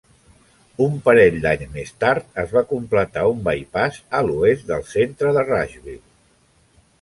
Un parell d'anys més tard es va completar un bypass a l'oest del centre de Rushville.